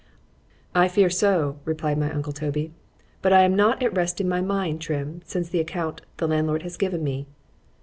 I fear so, replied my uncle Toby; but I am not at rest in my mind, Trim, since the account the landlord has given me.